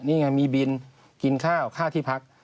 นี่ไงมีบินกินข้าวค่าที่พัก